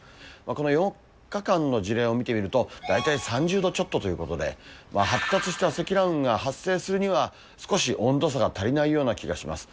この４日間の事例を見てみると、大体３０度ちょっとということで、発達した積乱雲が発生するには、少し温度差が足りないような気がします。